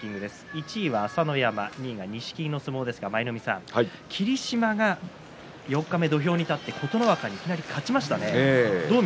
１位が朝乃山２位が錦木の相撲ですから霧島が四日目の土俵に立って琴ノ若に勝ちましたね